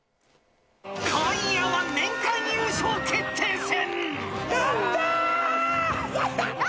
今夜は年間優勝決定戦。